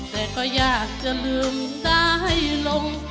แต่ก็อยากจะลืมตาให้ลง